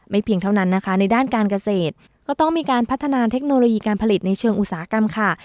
เพียงเท่านั้นนะคะในด้านการเกษตรก็ต้องมีการพัฒนาเทคโนโลยีการผลิตในเชิงอุตสาหกรรมค่ะ